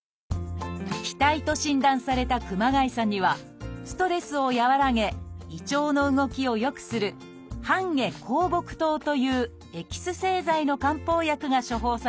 「気滞」と診断された熊谷さんにはストレスを和らげ胃腸の動きを良くする「半夏厚朴湯」というエキス製剤の漢方薬が処方されました。